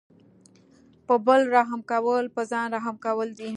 په بل رحم کول په ځان رحم کول دي.